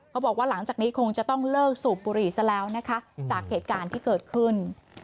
บอกว่าหลังจากนี้คงจะต้องเลิกสูบบุหรี่ซะแล้วนะคะจากเหตุการณ์ที่เกิดขึ้น